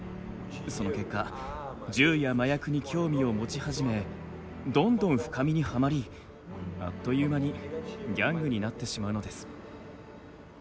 その結果銃や麻薬に興味を持ち始めどんどん深みにはまりあっという間にギャングになってしまうのです。